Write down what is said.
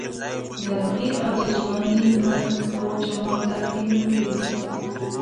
ناروغي او د ځوانې مرګ ورور جمال درد یې ملګري دي.